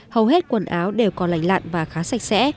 hầu hết quần áo đều còn lành lặn và khá sạch sẽ